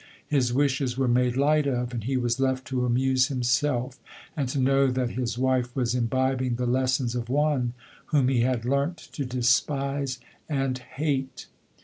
Kis wishes were made light of, and he was left to amuse himself, and to know that his wife was imbibing the lessons of one, whom he had learnt to despise and hate.